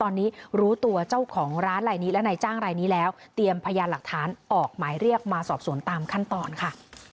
ในจ้างรายนี้แล้วเตรียมพยานหลักฐานออกหมายเรียกมาสอบสนตามขั้นตอนค่ะ